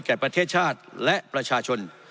ประเทศชาติและประชาชน